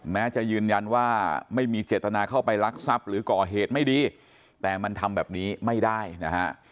แม้จะยืนยันว่าไม่มีเจตนาเข้าไปรักทรัพย์หรือก่อเหตุไม่ดีแต่มันทำแบบนี้ไม่ได้นะฮะ